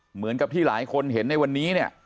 เหมือนกับที่หลายคนเห็นในวันนี้เนี่ย